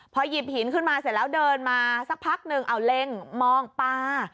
พอหยิบหินขึ้นมาเสร็จแล้วเดินมาสักพักหนึ่งเอาเล็งมองปลา